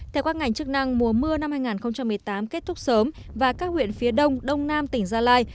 theo các ngành chức năng mùa mưa năm hai nghìn một mươi tám kết thúc sớm và các huyện phía đông đông nam tỉnh gia lai